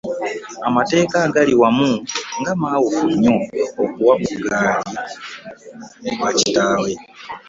Amateeka agaali wali nga maawufu nnyo okuva ku gaali ewa kitaawe.